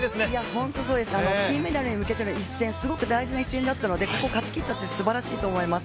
本当そうです、金メダルに向けて一戦、すごく大事な一戦だったのでここ、勝ちきったというのはすばらしいと思います。